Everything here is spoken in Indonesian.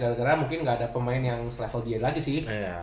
gara gara mungkin gak ada pemain yang selevel dia lagi sih